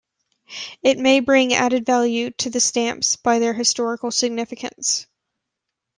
It may bring added value to the stamps by their historical significance.